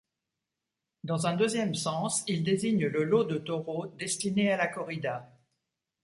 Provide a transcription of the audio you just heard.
Dans un deuxième sens, il désigne le lot de taureaux destiné à la corrida.